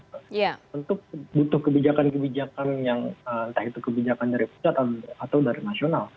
tentu butuh kebijakan kebijakan yang entah itu kebijakan dari pusat atau dari nasional